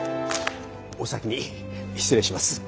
お先に失礼します。